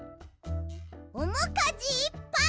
おもかじいっぱい！